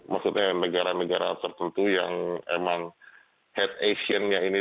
maksudnya negara negara tertentu yang memang head asian nya ini